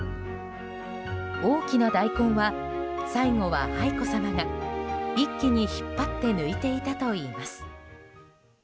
大きな大根は最後は愛子さまが一気に引っ張って抜いていたといいます。